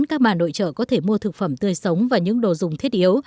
có thể mua thực phẩm tươi sống và những đồ dùng thiết yếu